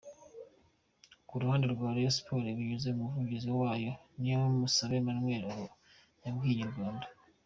Ku ruhande rwa Rayon Sports binyuze ku muvugizi wayo Niyomusabye Emmanuel, yabwiye Inyarwanda.